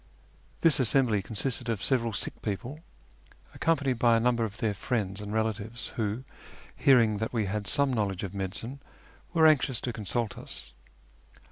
This assembly consisted of several sick people, accompanied by a number of their friends and relatives, who, hearing that we had some knowledge of medi cine, were anxious to consult us.